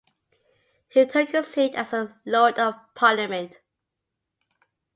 He took a seat as a Lord of Parliament.